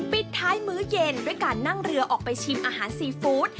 ปิดท้ายมื้อเย็นด้วยการนั่งเรือออกไปชิมอาหารซีฟู้ด